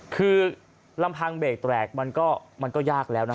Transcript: คือลำพังเบรกแตกมันก็ยากแล้วนะ